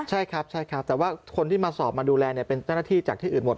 ใช่ครับใช่ครับแต่ว่าคนที่มาสอบมาดูแลเป็นเจ้าหน้าที่จากที่อื่นหมด